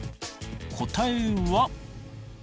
答えは。